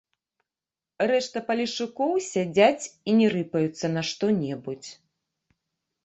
Рэшта палешукоў сядзяць і не рыпаюцца на што-небудзь.